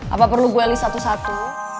apa perlu gue li satu satu